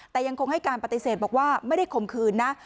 แต่ยังคงให้การปฏิเสธบอกว่าไม่ได้ข่มขืนนะ